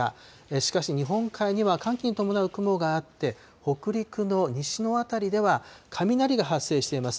しかし、日本海には寒気に伴う雲があって、北陸の西の辺りでは雷が発生しています。